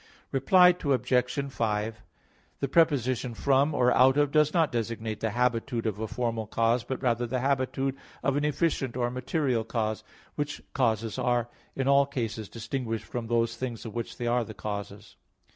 Reply Obj. 5: The preposition "from" or "out of" does not designate the habitude of a formal cause, but rather the habitude of an efficient or material cause; which causes are in all cases distinguished from those things of which they are the causes.